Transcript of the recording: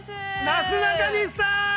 ◆なすなかにしさん！